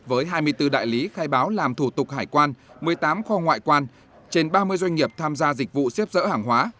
với hai mươi bốn đại lý khai báo làm thủ tục hải quan một mươi tám kho ngoại quan trên ba mươi doanh nghiệp tham gia dịch vụ xếp dỡ hàng hóa